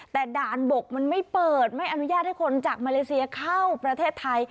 แต่ด่านบกมันไม่เปิดไม่อนุญาตให้คนจากมาเลเซียเข้าประเทศไทย